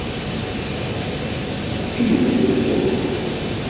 Kemmlet lḥut.